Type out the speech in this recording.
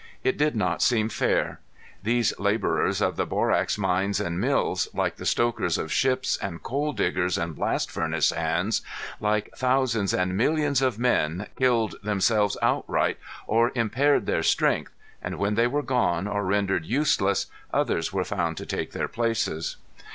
It did not seem fair. These laborers of the borax mines and mills, like the stokers of ships, and coal diggers, and blast furnace hands like thousands and millions of men, killed themselves outright or impaired their strength, and when they were gone or rendered useless others were found to take their places.